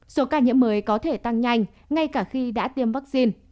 số ca nhiễm mới có thể tăng nhanh ngay cả khi đã tiêm vaccine